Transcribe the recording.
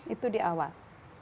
itu di awal